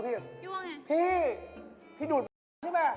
ได้ซีด้วยแล้ว